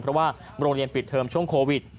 เพราะว่าโรงเรียนปิดเทอมช่วงโควิด